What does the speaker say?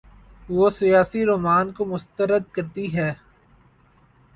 وہ سیاسی رومان کو مسترد کرتی ہے۔